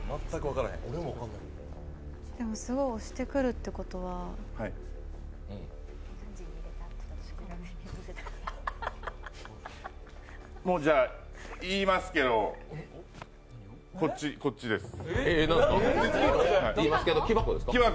でも、すごい推してくるってことは言いますけど、こっちです。